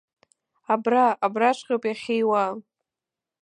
Абра, абраҵәҟьоуп иахьиуа.